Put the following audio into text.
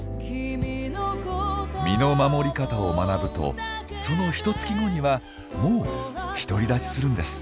身の守り方を学ぶとそのひとつき後にはもう独り立ちするんです。